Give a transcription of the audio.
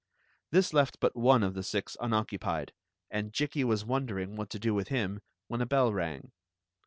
This left but one of the six unoccupied, and Jikki was wondering what to do with him when a bell rang.